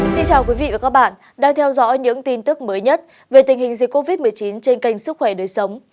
xin chào quý vị và các bạn đang theo dõi những tin tức mới nhất về tình hình dịch covid một mươi chín trên kênh sức khỏe đời sống